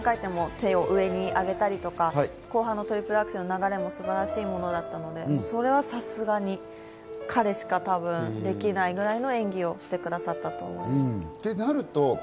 手を上にあげたりとか後半のトリプルアクセルの流れも素晴らしいものだったので、それはさすがに彼しかできないくらいの演技をしてくださったと思います。